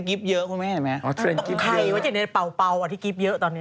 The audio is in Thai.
ใครวันนี้เป่าอ่ะที่กิ๊บเยอะตอนนี้